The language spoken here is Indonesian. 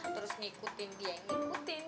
terus ngikutin dia yang ngikutin